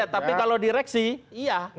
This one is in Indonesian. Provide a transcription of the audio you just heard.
tapi kalau direksi iya